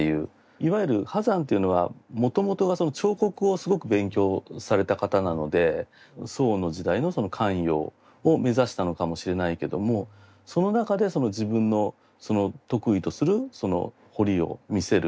いわゆる波山というのはもともとが彫刻をすごく勉強された方なので宋の時代の官窯を目指したのかもしれないけどもその中で自分の得意とする彫りを見せる。